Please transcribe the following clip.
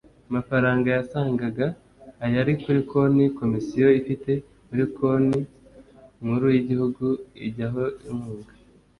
mafaranga yasangaga ayari kuri konti komisiyo ifite muri banki nkuru y igihugu ijyaho inkunga